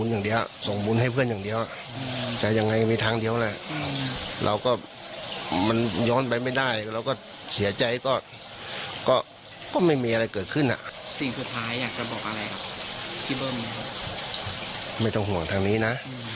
ไม่ต้องห่วงทางนี้นะ